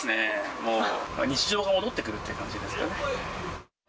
もう、日常が戻ってくるっていう感じですかね。